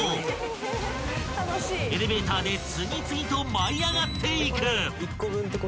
［エレベーターで次々と舞い上がっていく］